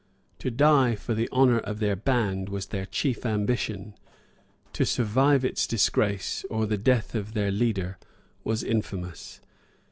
To die for the honor of their band was their chief ambition; to survive its disgrace, or the death of their leader, was infamous.